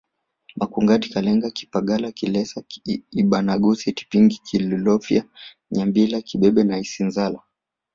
Makongati Kalenga kipagala kihesa Ibanagosi Tipingi Ikolofya Nyambila kibebe na Isanzala